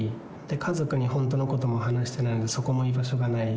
家族に本当のことも話してないので、そこも居場所がない。